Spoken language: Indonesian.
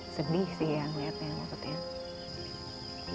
sedih sih ya lihatnya waktu itu